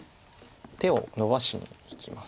手をのばしにいきます。